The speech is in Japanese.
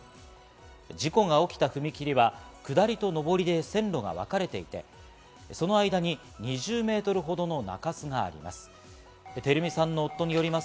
事故が起きた踏切は下りと上りで線路がわかれていて、その間に２０メートルほどの中州があります。